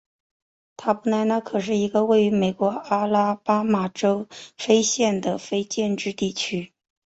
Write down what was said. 塔布莱纳可是一个位于美国阿拉巴马州科菲县的非建制地区。